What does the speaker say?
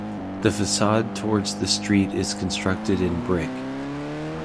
The facade towards the street is constructed in brick.